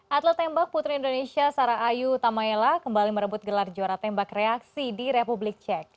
atlet tembak putri indonesia sarah ayu tamaela kembali merebut gelar juara tembak reaksi di republik cek